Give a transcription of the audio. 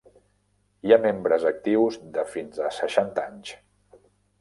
Hi ha membres actius de fins a seixanta anys.